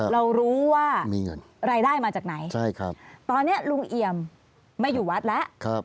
เรารู้ว่ารายได้มาจากไหนตอนนี้ลุงเอี่ยมไม่อยู่วัดแล้ว